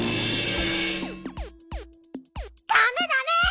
ダメダメ！